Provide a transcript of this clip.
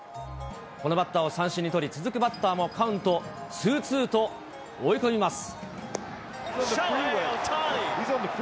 このバッターを三振に取り、続くバッターもカウントツー・ツーと追い込みます。